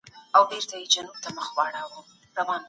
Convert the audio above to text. زه هر سهار د مور لاسونه ښکلوم.